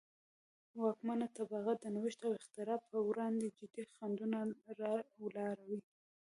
واکمنه طبقه د نوښت او اختراع پروړاندې جدي خنډونه را ولاړوي.